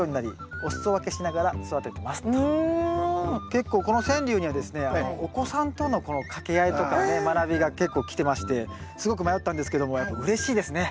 結構この川柳にはですねお子さんとの掛け合いとかね学びが結構来てましてすごく迷ったんですけどもやっぱうれしいですね。